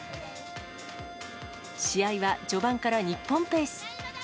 試合は序盤から日本ペース。